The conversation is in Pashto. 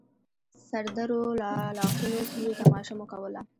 سردرو، لاښونو، کليو تماشه مو کوله.